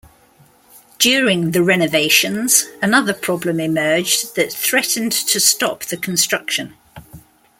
During the renovations, another problem emerged that threatened to stop the construction.